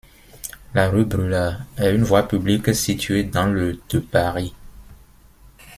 La rue Bruller est une voie publique située dans le de Paris.